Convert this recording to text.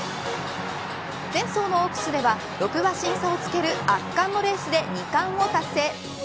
前走のオークスでは６馬身差をつける圧巻のレースで２冠を達成。